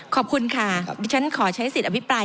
ขอบคุณค่ะดิฉันขอใช้สิทธิอภิปราย